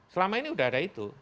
selama ini sudah ada itu